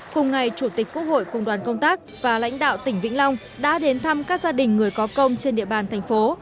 cùng ngày chủ tịch quốc hội cùng đoàn công tác và lãnh đạo tỉnh vĩnh long đã đến thăm các gia đình người có công trên địa bàn thành phố